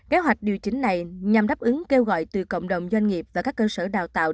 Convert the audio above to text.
kế hoạch điều chỉnh này nhằm đáp ứng kêu gọi từ cộng đồng doanh nghiệp và các cơ sở đào tạo